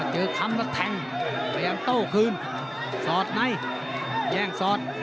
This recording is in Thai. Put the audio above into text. หย่ามละแต้งขยามโต้คืนสอดในแหย่งสอด